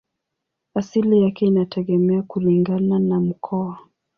Asili yake inategemea kulingana na mkoa.